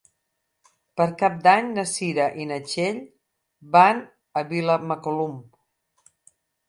Per Cap d'Any na Cira i na Txell van a Vilamacolum.